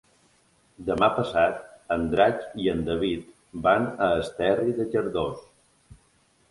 Demà passat en Drac i en David van a Esterri de Cardós.